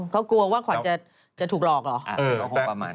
เขากลัวว่าขวัญจะถูกหลอกเหรอ